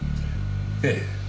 ええ。